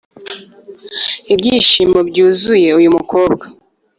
ibyishimo byuzuye uyu mukobwa;